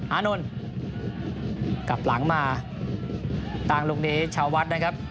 อานนท์กลับหลังมาตั้งลูกนี้ชาววัดนะครับ